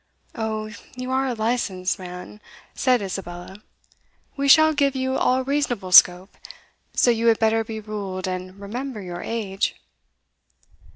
"O, you are a licensed man," said Isabella; "we shall give you all reasonable scope: So you had better be ruled, and remember your age."